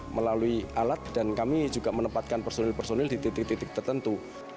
melalui alat dan kami juga menempatkan personil personil di titik titik tertentu